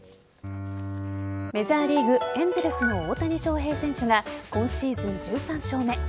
メジャーリーグエンゼルスの大谷翔平選手が今シーズン１３勝目。